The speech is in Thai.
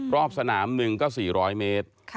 รอบสนามหนึ่งก็๔๐๐เมตร